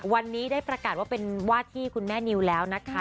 วันนี้ได้ประกาศว่าเป็นวาดที่คุณแม่นิวแล้วนะคะ